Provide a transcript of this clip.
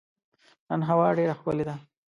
نن هوا ډېره ښکلې ده.